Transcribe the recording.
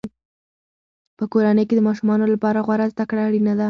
په کورنۍ کې د ماشومانو لپاره غوره زده کړه اړینه ده.